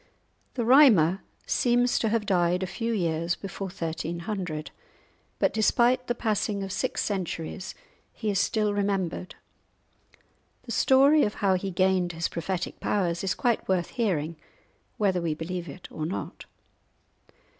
The Rhymer seems to have died a few years before 1300; but despite the passing of six centuries he is still remembered. The story of how he gained his prophetic powers is quite worth hearing, whether we believe it or not.